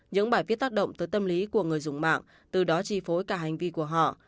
những bài viết tác động tới tâm lý của người dùng mạng từ đó chi phối cả hành vi của họ